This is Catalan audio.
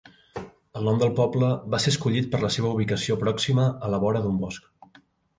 El nom del poble va ser escollit per la seva ubicació pròxima a la vora d'un bosc.